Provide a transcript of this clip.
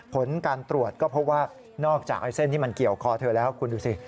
ผลการตรวจก็พบว่านอกจากไอ้เส้นที่มันเกี่ยวคอเธอแล้วคุณดูสิ